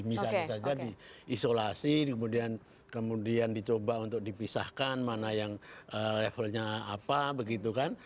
misalnya saja diisolasi kemudian dicoba untuk dipisahkan mana yang levelnya apa begitu kan